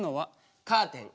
カーテン。